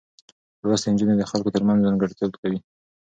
لوستې نجونې د خلکو ترمنځ منځګړتوب کوي.